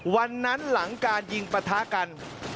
วันนั้นหลังการยิงประท๊ะกัน